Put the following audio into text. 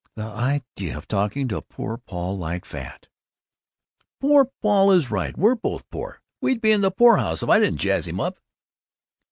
"The idea of talking to poor Paul like that!" "Poor Paul is right! We'd both be poor, we'd be in the poorhouse, if I didn't jazz him up!"